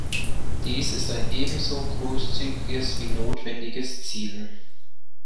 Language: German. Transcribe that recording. Dies ist ein ebenso großzügiges wie notwendiges Ziel.